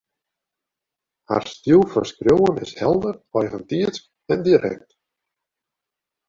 Har styl fan skriuwen is helder, eigentiidsk en direkt